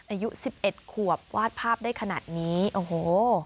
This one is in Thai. อายุ๑๑ขวบวาดภาพได้ขนาดนี้โอ้โฮ